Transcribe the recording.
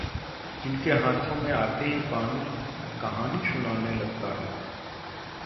जिसके हाथों में आते ही पानी कहानी सुनाने लगता है...